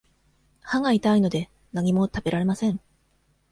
歯が痛いので、何も食べられません。